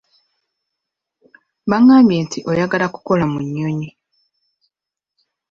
Bangambye nti oyagala kukola mu nnyonyi.